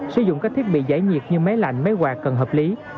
sử dụng các thiết bị giải nhiệt như máy lạnh máy quạt cần hợp lý